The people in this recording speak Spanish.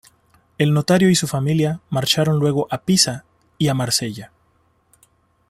El notario y su familia marcharon luego a Pisa y a Marsella.